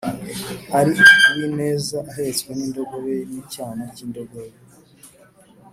Ari uw’ineza ahetswe n’indogobe N’icyana cy’indogobe.’